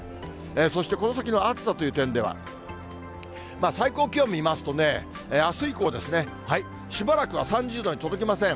そしてこの先の暑さという点では、最高気温見ますとね、あす以降、しばらくは３０度に届きません。